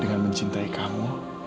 dengan mencintai kamu